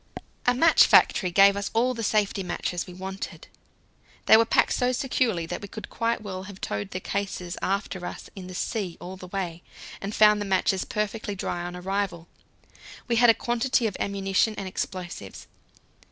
A match factory gave us all the safety matches we wanted. They were packed so securely that we could quite well have towed the cases after us in the sea all the way, and found the matches perfectly dry on arrival. We had a quantity of ammunition and explosives.